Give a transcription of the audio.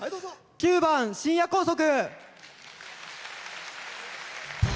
９番「深夜高速」。